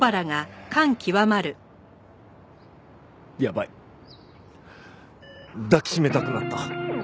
やばい抱きしめたくなった。